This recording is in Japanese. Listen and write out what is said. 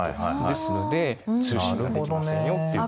ですので通信ができませんよっていう。